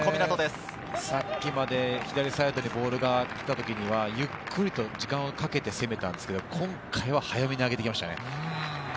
さっきまで左サイドにボールが来たときには、ゆっくりと時間をかけて攻めたんですが、今回は早めに上げてきましたね。